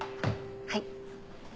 はい。